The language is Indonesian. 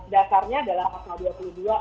dasarnya kita tidak boleh mengenainya